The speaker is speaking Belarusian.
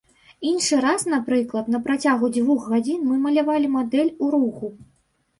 Іншы раз, напрыклад, на працягу дзвух гадзін мы малявалі мадэль у руху.